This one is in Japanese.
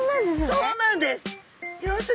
そうなんです。